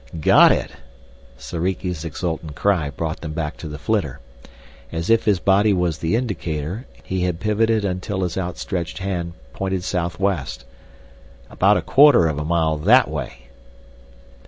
"Got it!" Soriki's exultant cry brought them back to the flitter. As if his body was the indicator, he had pivoted until his outstretched hand pointed southwest. "About a quarter of a mile that way."